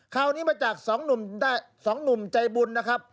คราวนี้มาจาก๒หนุ่มใจบุญนะครับ